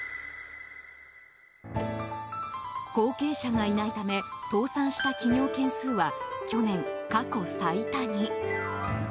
後継者がいないため倒産した企業件数は去年、過去最多に。